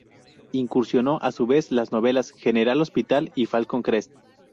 Incursionó a su vez las novelas "General Hospital" y "Falcon Crest".